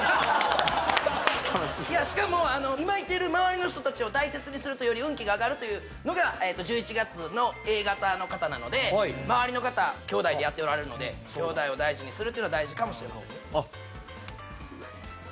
しかも今いてる周りの人たちを大切にするとより運気が上がるというのが１１月のＡ型の方なので周りの方兄弟でやっておられるので兄弟を大事にするっていうのが大事かもしれませんあっ